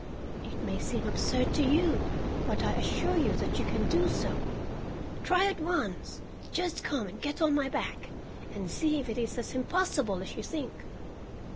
"It may seem absurd to you, but I assure you that you can do so. Try at once! Just come and get on my back, and see if it is as impossible as you think!"